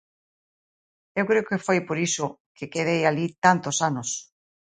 Eu creo que foi por iso que quedei alí tantos anos.